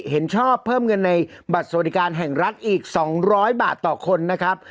เห็นชอบเพิ่มเงินในบัตรสวัสดิการแห่งรัฐอีก๒๐๐บาทต่อคนนะครับ